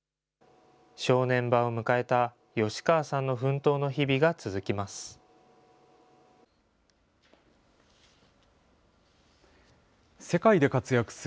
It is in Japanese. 正念場を迎えた吉川さんの奮闘の日々が続きます。